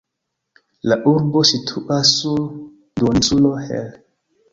La urbo situas sur duoninsulo Hel.